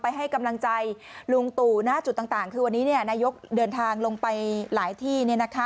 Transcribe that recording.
ให้กำลังใจลุงตู่หน้าจุดต่างคือวันนี้นายกเดินทางลงไปหลายที่